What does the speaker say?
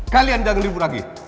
kalian jangan ribu lagi